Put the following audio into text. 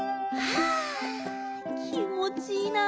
あきもちいいな。